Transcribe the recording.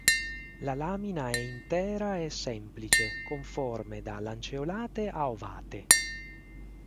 La lamina è intera e semplice con forme da lanceolate a ovate.